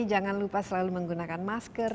jangan lupa selalu menggunakan masker